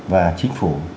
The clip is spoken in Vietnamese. và chính phủ